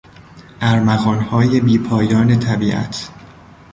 ارمغانهای بیپایان طبیعت